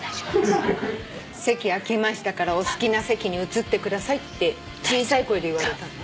「席空きましたからお好きな席に移ってください」って小さい声で言われたの？